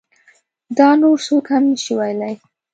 دا نور څوک هم نشي ویلی.